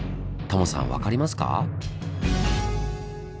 タモさん分かりますか？